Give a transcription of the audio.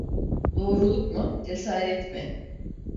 Doğruluk mu cesaret mi?